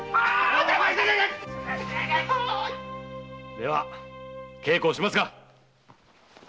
では稽古をしますか！